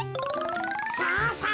さあさあ